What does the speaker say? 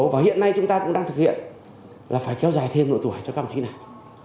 và hiện nay chúng ta cũng đang thực hiện là phải kéo dài thêm độ tuổi cho cao trí này